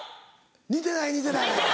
似てない似てない。